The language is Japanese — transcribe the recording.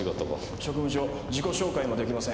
職務上自己紹介もできません。